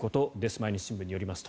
毎日新聞によりますと。